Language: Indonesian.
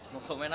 mau komen apa